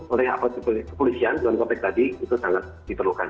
oleh apa kepolisian jalan kompleks tadi itu sangat diperlukan